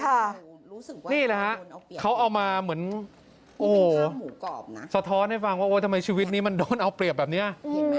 นี่แหละฮะเขาเอามาเหมือนโอ้โหสะท้อนให้ฟังว่าโอ้ทำไมชีวิตนี้มันโดนเอาเปรียบแบบนี้